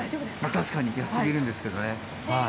確かに安すぎるんですけどね。